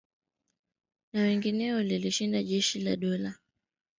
na wengineo lilishinda jeshi la Dola la Uingereza